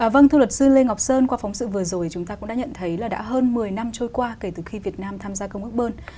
vâng thưa luật sư lê ngọc sơn qua phóng sự vừa rồi chúng ta cũng đã nhận thấy là đã hơn một mươi năm trôi qua kể từ khi việt nam tham gia công ước bơn